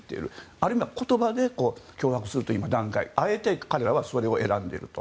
ある意味言葉で脅迫するという段階あえて彼らはそれを選んでいると。